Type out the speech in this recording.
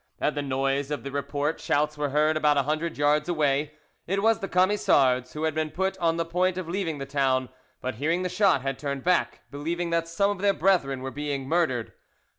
At the noise of the report shouts were heard about a hundred yards away. It was the Camisards, who had been on the point of leaving the town, but hearing the shot had turned back, believing that some of their brethren were being murdered.